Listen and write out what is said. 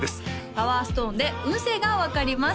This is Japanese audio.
パワーストーンで運勢が分かります